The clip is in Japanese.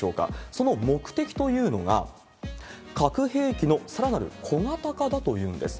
その目的というのが核兵器のさらなる小型化だというんです。